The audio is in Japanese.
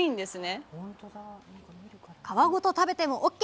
皮ごと食べてもＯＫ。